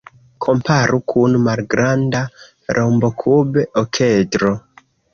Komparu kun malgranda rombokub-okedro.